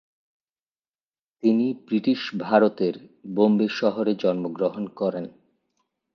তিনি ব্রিটিশ ভারতের বোম্বে শহরে জন্মগ্রহণ করেন।